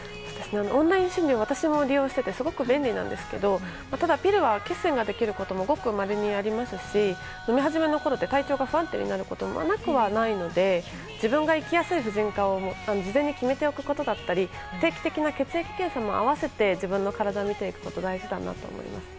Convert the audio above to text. オンライン診療は私も利用していてすごく便利なんですけどただピルは血栓ができることもごくまれにありますし飲み始めのころって体調が不安定になることもなくはないので自分が行きやすい婦人科を事前に決めておくことだったり定期的な血液検査も併せて自分の体を見ていくことが大事だなと思います。